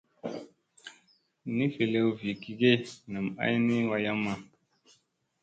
Ni velew vi gi ge nam ay vi wayamma.